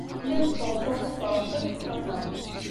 Mi newweḍ tuɣ sekkṛent akk tḥuna.